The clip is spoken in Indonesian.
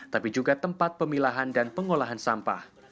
tapi juga tempat pemilahan dan pengolahan sampah